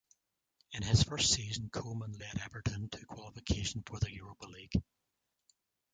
In his first season, Koeman led Everton to qualification for the Europa League.